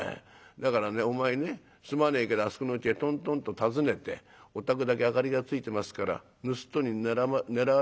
だからねお前ねすまねえけどあそこのうちへトントンと訪ねて『お宅だけ明かりがついてますからぬすっとに狙われますよ。